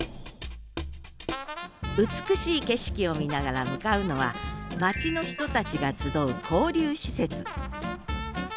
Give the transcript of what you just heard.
美しい景色を見ながら向かうのは町の人たちが集う交流施設。